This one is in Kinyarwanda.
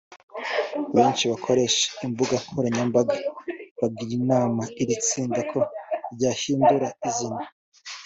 Benshi mu bakoresha imbuga nkoranyambaga bagira inama iri tsinda ko ryahindura izina